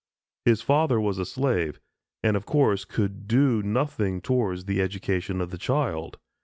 His father was a slave, and of course could do nothing towards the education of the child.